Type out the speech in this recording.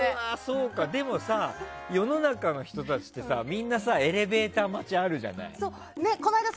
でもさ、世の中の人たちってみんなエレベーター待ちこの間